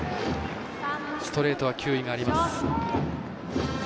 ストレートは球威があります。